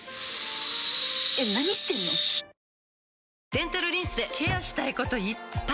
デンタルリンスでケアしたいこといっぱい！